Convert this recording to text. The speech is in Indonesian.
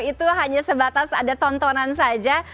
itu hanya sebatas ada tontonan saja